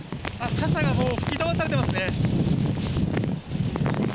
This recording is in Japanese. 傘が吹き飛ばされてますね。